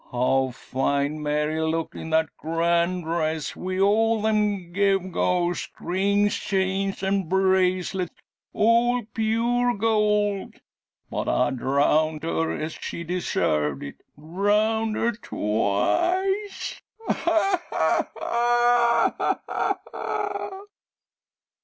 How fine Mary looked in that grand dress, wi' all them gewgaws, rings, chains, an' bracelets, all pure gold! But I drownded her, an' she deserved it. Drownded her twice ha ha ha!"